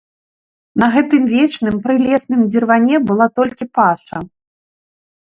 На гэтым вечным прылесным дзірване была толькі паша.